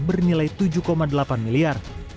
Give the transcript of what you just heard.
bernilai tujuh delapan miliar